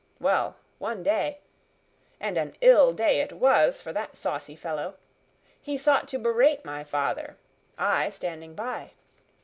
Well, one day and an ill day it was for that saucy fellow he sought to berate my father, I standing by.